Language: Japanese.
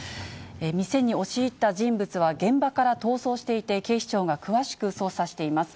店に押し入った人物は、現場から逃走していて、警視庁が詳しく捜査しています。